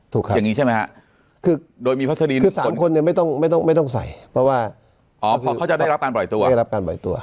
อย่างนี้ใช่ไหมครับคือสามคนไม่ต้องใส่เพราะว่าเขาจะได้รับการปล่อยตัว